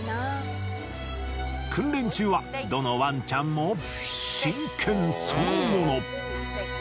訓練中はどのワンちゃんも真剣そのもの。